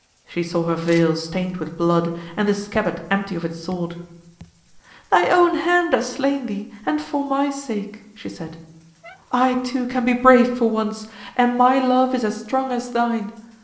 She saw her veil stained with blood and the scabbard empty of its sword. "Thy own hand has slain thee, and for my sake," she said. "I too can be brave for once, and my love is as strong as thine.